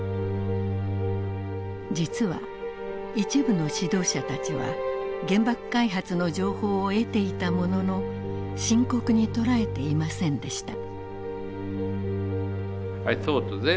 実は一部の指導者たちは原爆開発の情報を得ていたものの深刻に捉えていませんでした。